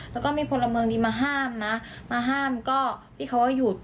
แล้วก็มีพลเมืองดีมาห้ามนะมาห้ามก็พี่เขาก็หยุด